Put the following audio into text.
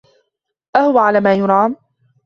أهوَ على ما يرام؟